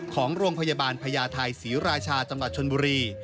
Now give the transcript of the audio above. ของโรงพยาบาลพญาไทยศรีราชาจังหวัดชนบุรี